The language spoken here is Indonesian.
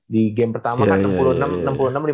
di game pertama kan enam puluh enam lima puluh